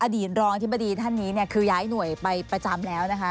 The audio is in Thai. อดีตรองอธิบดีท่านนี้คือย้ายหน่วยไปประจำแล้วนะคะ